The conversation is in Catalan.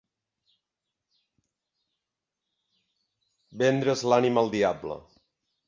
Vendre's l'ànima al diable.